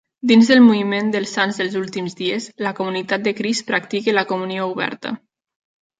Dins del moviment dels Sants dels Últims Dies, la Comunitat de Crist practica la comunió oberta.